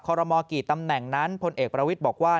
รมอกี่ตำแหน่งนั้นพลเอกประวิทย์บอกว่า